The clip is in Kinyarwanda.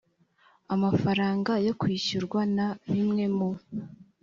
amafaranga yakwishyurwa na bimwe mu